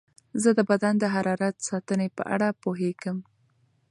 زه د بدن د حرارت ساتنې په اړه پوهېږم.